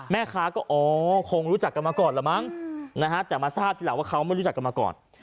แม่ค้าก็อ๋อคงรู้จักกันมาก่อนละมั้งนะฮะแต่มาทราบทีหลังว่าเขาไม่รู้จักกันมาก่อน